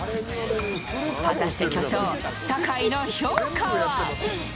果たして、巨匠・酒井の評価は。